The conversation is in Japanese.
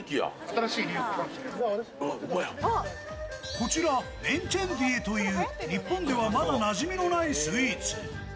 こちらミェンチェンディエという日本ではまだなじみのないスイーツ。